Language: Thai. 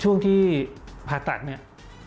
ช่วงที่ผ่าตัดเนี่ย